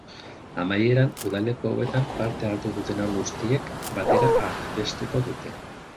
Amaieran, udaleku hauetan parte hartu duten haur guztiek batera abestuko dute.